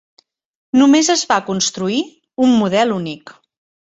Només es va construir un model únic.